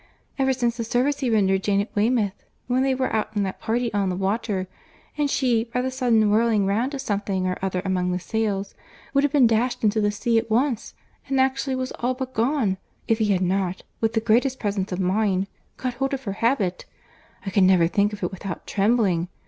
Ever since the service he rendered Jane at Weymouth, when they were out in that party on the water, and she, by the sudden whirling round of something or other among the sails, would have been dashed into the sea at once, and actually was all but gone, if he had not, with the greatest presence of mind, caught hold of her habit— (I can never think of it without trembling!)